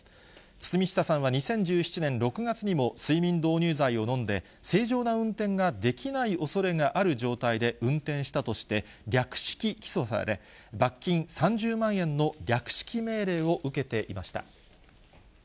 堤下さんは２０１７年６月にも睡眠導入剤を飲んで、正常な運転ができないおそれがある状態で運転したとして略式起訴罰金３０万円の略式命令を受けていました。